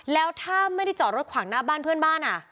แล้วถ้าไม่ได้จอดรถขวางหน้าบ้านเพื่อนบ้าน